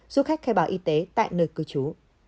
du khách khai báo y tế tại nơi cư trú